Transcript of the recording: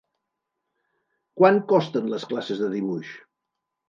Quant costen les classes de dibuix?